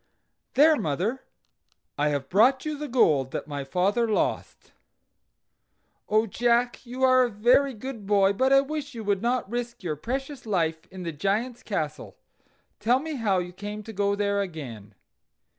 "There, mother, I have brought you the gold that my father lost." "Oh, Jack! you are a very good boy, but I wish you would not risk your precious life in the Giant's castle. Tell me how you came to go there again."